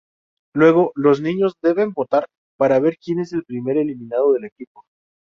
Luego, los niños deben votar para ver quien es el primer eliminado del equipo.